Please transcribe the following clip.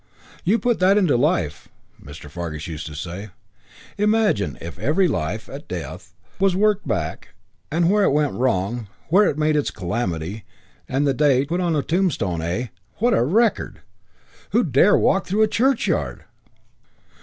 "You put that into life," Mr. Fargus used to say. "Imagine if every life, at death, was worked back, and where it went wrong, where it made its calamity, and the date, put on the tombstone. Eh? What a record! Who'd dare walk through a churchyard?"